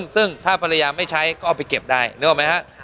ซึ่งถ้าภรรยาไม่ใช้ก็เอาไปเก็บได้นึกออกไหมฮะ